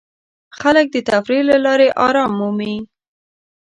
خلک د تفریح له لارې آرام مومي.